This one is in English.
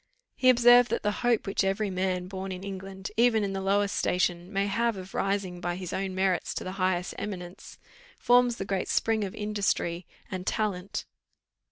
He observed, that the hope which every man born in England, even in the lowest station, may have of rising by his own merits to the highest eminence, forms the great spring of industry and talent.